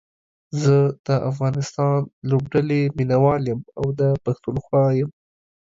زه دا افغانستان لوبډلې ميناوال يم او دا پښتونخوا يم